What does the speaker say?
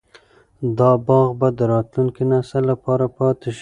دا باغ به د راتلونکي نسل لپاره پاتې شي.